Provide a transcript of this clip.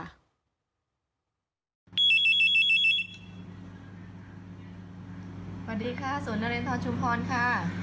สวัสดีค่ะศูนย์นเรนทรชุมพรค่ะ